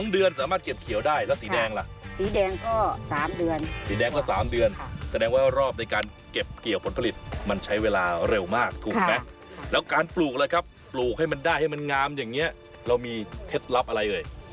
เดือนสามารถเก็บเขียวได้แล้วสีแดงล่ะสีแดงก็๓เดือนสีแดงก็๓เดือนแสดงว่ารอบในการเก็บเกี่ยวผลผลิตมันใช้เวลาเร็วมากถูกไหมแล้วการปลูกล่ะครับปลูกให้มันได้ให้มันงามอย่างนี้เรามีเคล็ดลับอะไรเอ่ย